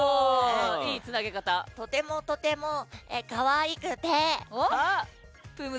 とてもとてもかわいくて。